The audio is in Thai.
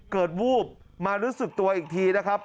วูบมารู้สึกตัวอีกทีนะครับ